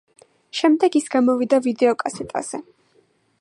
შემდეგ ის გამოვიდა ვიდეოკასეტაზე.